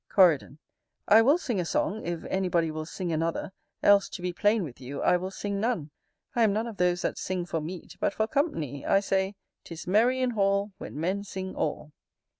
Coridon. I will sing a song, if anybody will sing another, else, to be plain with you, I will sing none. I am none of those that sing for meat, but for company: I say, '"Tis merry in hall, When men sing all."